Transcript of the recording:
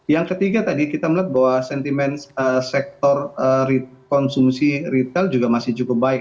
yang ketiga tadi kita melihat bahwa sentimen sektor konsumsi retail juga masih cukup baik